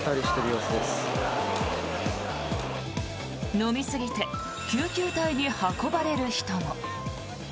飲みすぎて救急隊に運ばれる人も。